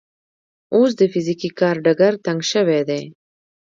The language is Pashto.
اوس د فزیکي کار ډګر تنګ شوی دی.